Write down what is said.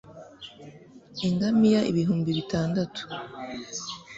ingamiya ibihumbi bitandatu